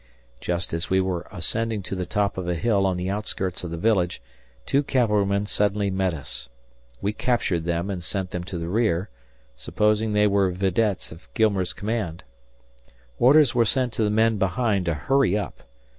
Just as we were ascending to the top of a hill on the outskirts of the village, two cavalrymen suddenly met us. We captured them and sent them to the rear, supposing they were videttes of Gilmer's command. Orders were sent to the men behind to hurry up.